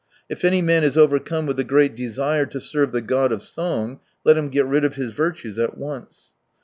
If any man is overcome with a great desire to serve the god of song^ let him get rid of his virtues at once.